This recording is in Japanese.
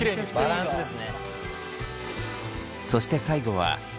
バランスですね。